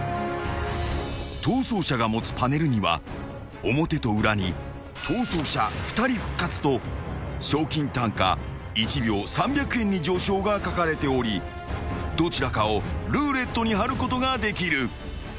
［逃走者が持つパネルには表と裏に「逃走者２人復活」と「賞金単価１秒３００円に上昇」が書かれておりどちらかをルーレットにはることができる］